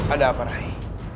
ada apa rai